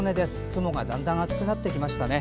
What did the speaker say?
雲がだんだん厚くなってきましたね。